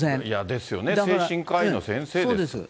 ですよね、精神科医の先生です。